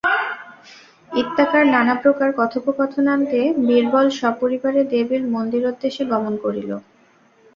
ইত্যাকার নানাপ্রকার কথোপকথনান্তে বীরবর সপরিবারে দেবীর মন্দিরোদ্দেশে গমন করিল।